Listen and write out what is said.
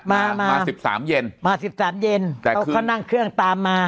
มา๑๓เย็นมา๑๓เย็นเขานั่งเครื่องตามมา